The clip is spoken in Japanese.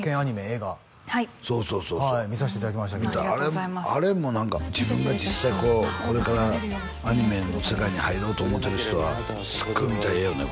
映画そうそうそうそうはい見させていただきましたけど見たあれも何か自分が実際こうこれからアニメの世界に入ろうと思うてる人はすごい見たらええよね